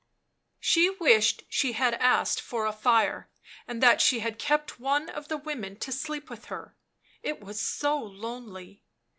She wished she had asked for a fire and that she had kept one of the women to sleep with her — it was so lonely.